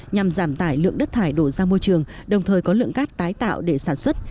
nhằm giảm tải lượng đất thải đổ ra môi trường đồng thời có lượng cát tái tạo để sản xuất